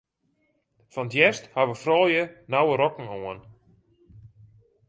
Fan 't hjerst hawwe froulju nauwe rokken oan.